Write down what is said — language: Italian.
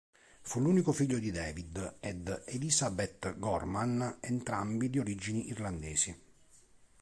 Fu l'unico figlio di David ed Elizabeth Gorman, entrambi di origini irlandesi.